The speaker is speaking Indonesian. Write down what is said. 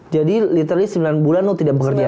jadi literally sembilan bulan lu tidak bekerja